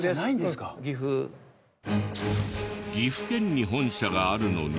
岐阜県に本社があるのに。